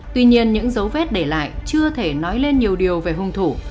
tuy nhiên những dấu vết để lại chưa thể nói lên nhiều điều về hung thủ